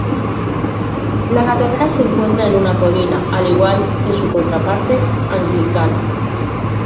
La catedral se encuentra en una colina, al igual que su contraparte Anglicana.